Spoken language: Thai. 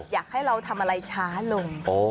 อยากให้เราทำอะไรช้าลง